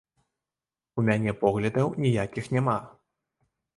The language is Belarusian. У мяне поглядаў ніякіх няма.